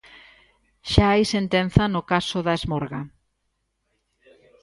Xa hai sentenza no caso da Esmorga.